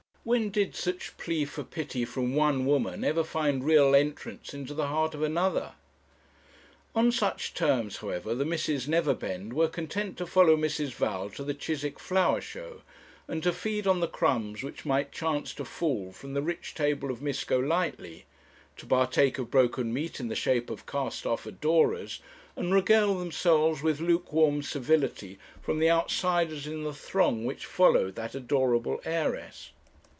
When did such plea for pity from one woman ever find real entrance into the heart of another? On such terms, however, the Misses Neverbend were content to follow Mrs. Val to the Chiswick flower show, and to feed on the crumbs which might chance to fall from the rich table of Miss Golightly; to partake of broken meat in the shape of cast off adorers, and regale themselves with lukewarm civility from the outsiders in the throng which followed that adorable heiress.